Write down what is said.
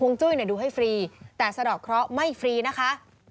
จุ้ยเนี่ยดูให้ฟรีแต่สะดอกเคราะห์ไม่ฟรีนะคะ